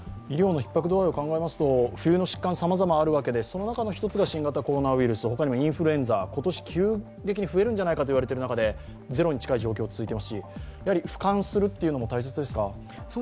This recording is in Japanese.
医療のひっ迫度合いを考えますと冬の疾患、さまざまある中でその中の１つが新型コロナウイルスほかにもインフルエンザ、今年急激に増えるんじゃないかと言われている中でゼロに近い状況が続いていますし、俯瞰するというのも大切ですか？